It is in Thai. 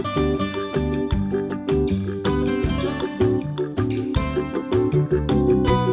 ได้นะโอเคครับ